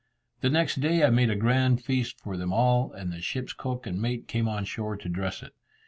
The next day I made a grand feast for them all, and the ship's cook and mate came on shore to dress it.